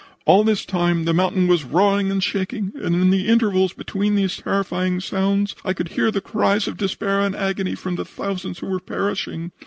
All this time the mountain was roaring and shaking, and in the intervals between these terrifying sounds I could hear the cries of despair and agony from the thousands who were perishing.